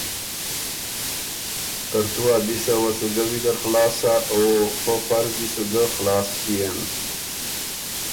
ترتُو ا دِسه وه سو ګۀ ویزر خلاص سۀ او پۀ فرض دی سُو ګۀ خلاص ݭيېن۔